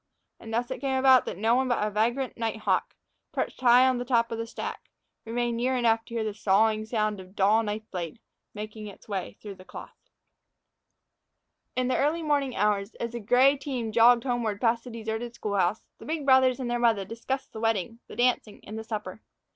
And thus it came about that no one but a vagrant night hawk, perched high on the top of the stack, remained near enough to hear the sawing sound of a dull knife blade, making its way through cloth. IN the early morning hours, as the gray team jogged homeward past the deserted school house, the big brothers and their mother discussed the wedding, the dancing, and the supper.